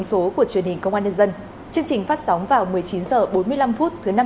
xin chào và hẹn gặp lại